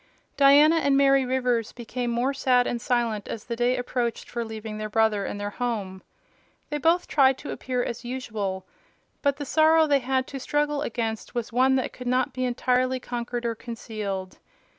Diana and Mary Rivers became more sad and silent as the day approached for leaving their brother and their home. They both tried to appear as usual; but the sorrow they had to struggle against was one that could not be entirely conquered or concealed.